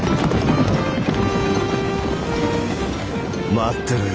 待ってろよ